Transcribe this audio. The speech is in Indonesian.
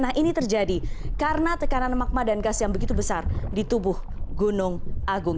nah ini terjadi karena tekanan magma dan gas yang begitu besar di tubuh gunung agung